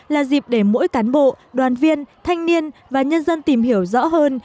là dịp để mỗi cán bộ đoàn viên thanh niên và nhân dân tìm hiểu rõ hơn